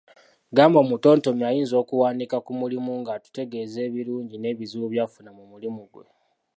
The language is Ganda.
Gamba omutontomi ayinza okuwandiika ku mulimi ng’atutegeeza, ebirungi n’ebizibu by’afuna mu mulimu gwe.